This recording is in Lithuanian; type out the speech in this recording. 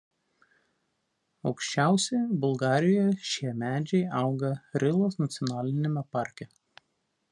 Aukščiausi Bulgarijoje šie medžiai auga Rilos nacionaliniame parke.